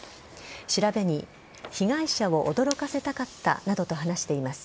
調べに被害者を驚かせたかったなどと話しています。